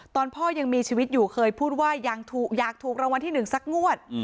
พ่อยังมีชีวิตอยู่เคยพูดว่าอยากถูกรางวัลที่๑สักงวด